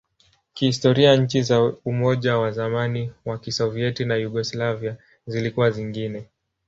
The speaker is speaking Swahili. Kihistoria, nchi za Umoja wa zamani wa Kisovyeti na Yugoslavia zilikuwa zingine.